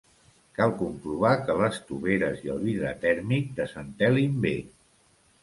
Cal comprovar que les toveres i el vidre tèrmic desentelin bé.